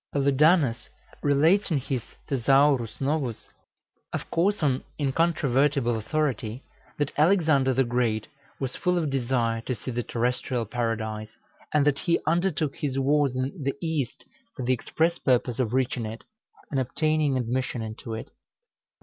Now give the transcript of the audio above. Paludanus relates in his "Thesaurus Novus," of course on incontrovertible authority, that Alexander the Great was full of desire to see the terrestrial Paradise, and that he undertook his wars in the East for the express purpose of reaching it, and obtaining admission into it.